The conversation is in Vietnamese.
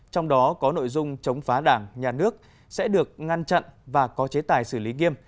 trong đó có nội dung chống phá đảng nhà nước sẽ được ngăn chặn và có chế tài xử lý nghiêm